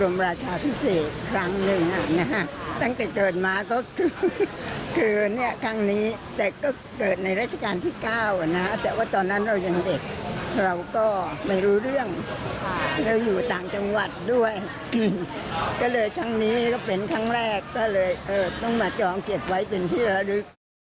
มาจองเก็บไว้เป็นที่ระลึก